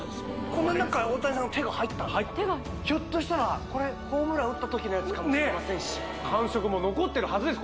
この中に大谷さんの手が入ったひょっとしたらこれホームラン打った時のやつかもしれませんし感触も残ってるはずです